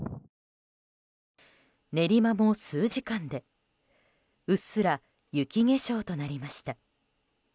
練馬も数時間でうっすら雪化粧となりました。